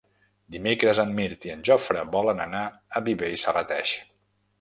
Dimecres en Mirt i en Jofre volen anar a Viver i Serrateix.